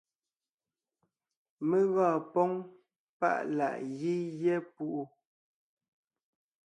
Mé gɔɔn póŋ páʼ láʼ gí gyɛ́ púʼu.